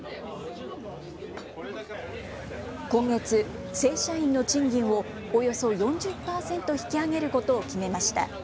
今月、正社員の賃金をおよそ４０％引き上げることを決めました。